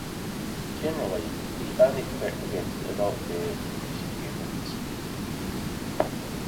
Generally, the only threat against adult bears is humans.